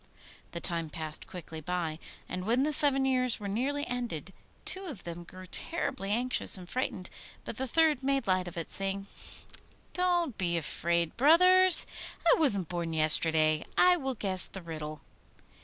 The time passed quickly away, and when the seven years were nearly ended two of them grew terribly anxious and frightened, but the third made light of it, saying, 'Don't be afraid, brothers, I wasn't born yesterday; I will guess the riddle.